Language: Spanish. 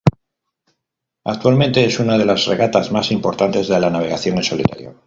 Actualmente es una de las regatas más importantes de la navegación en solitario.